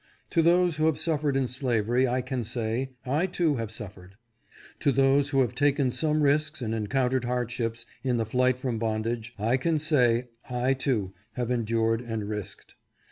To those who have suffered in slavery I can say, I, too, have suffered. To those who have taken some risks and encountered hardships in the flight from bondage I can say, I, too, have endured and risked.